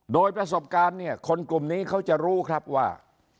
โดยประสบการณ์เนี่ยคนกลุ่มนี้เขาจะรู้ครับว่า